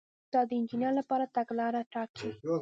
دا د انجینر لپاره تګلاره ټاکي.